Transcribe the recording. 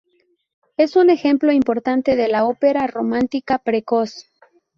Es un ejemplo importante de la ópera romántica precoz.